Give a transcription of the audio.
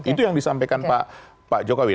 itu yang disampaikan pak jokowi